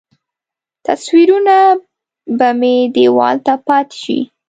تصویرونه به مې دیوال ته پاتې شي.